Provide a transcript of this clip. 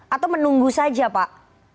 atau menunggu saja pak